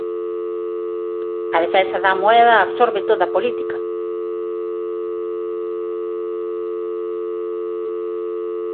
A defensa da moeda absorbe toda política.